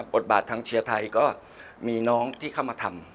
บทบาททางเชียร์ไทยก็มีน้องที่เข้ามาทำ